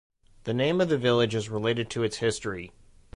The name of the village is related to its history.